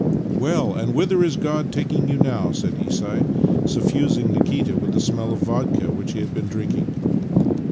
" Well, and whither is God taking you now? " said Isai, suffusing Nikita with the smell of the vodka which he had been drinking.